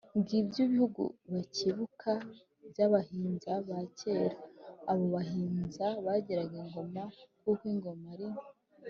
ngibyo ibihugu bacyibuka by’abahinza ba cyera. abo bahinza bagiraga ingoma, kuko ingoma ari